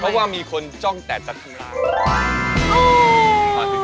เพราะว่ามีคนจ้องแต่จัดขึ้นมา